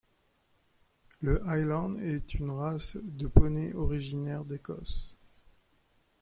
Le Highland est une race de poney originaire d'Écosse.